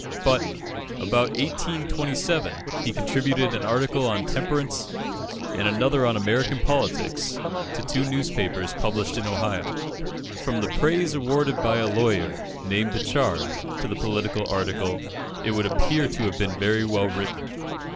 But, about 1827, he contributed an article on temperance and another on American politics to two newspapers, published in Ohio. From the praise awarded by a lawyer, named Pritchard, to the political article, it would appear to have been very well written.